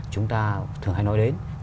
chúng ta thường hay nói đến